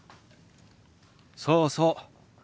そうそう。